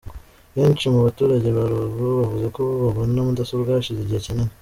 Benshi mu baturage ba Rubavu bavuze ko babona mudasobwa hashize igihe kinini.